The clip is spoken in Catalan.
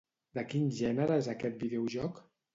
De quin gènere és aquest videojoc?